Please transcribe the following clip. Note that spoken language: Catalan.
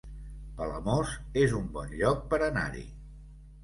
Palamós es un bon lloc per anar-hi